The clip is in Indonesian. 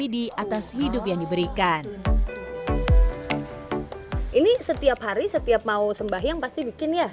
di atas hidup yang diberikan ini setiap hari setiap mau sembahyang pasti bikin ya